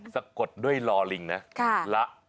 สกดด้วยรอลิงนะ